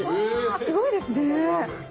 すごいですね。